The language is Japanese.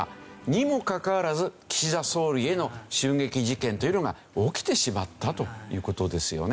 にもかかわらず岸田総理への襲撃事件というのが起きてしまったという事ですよね。